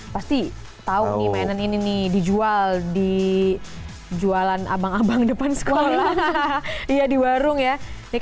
pasti tahu game in ini jual di jualan abang abang depan sekolah hahaha atom di warung yasam impress